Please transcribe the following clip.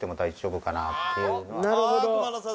なるほど。